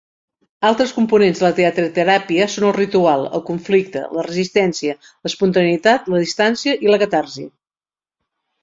Altres components de la teatreteràpia són el ritual, el conflicte, la resistència, l'espontaneïtat, la distància i la catarsi.